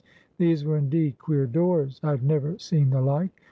These were, indeed, queer doors. I had never seen the like.